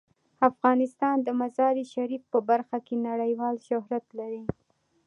افغانستان د مزارشریف په برخه کې نړیوال شهرت لري.